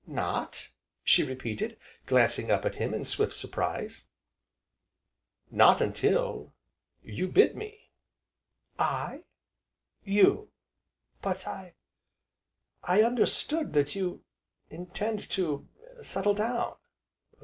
"Not?" she repeated, glancing up at him in swift surprise. "Not until you bid me." "I?" "You!" "But I I understood that you intend to settle down?"